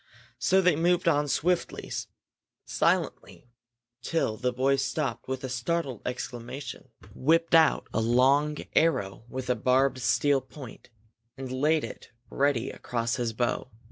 So they moved on swiftly, silently, till the boy stopped with a startled exclamation, whipped out a long arrow with a barbed steel point, and laid it ready across his bow.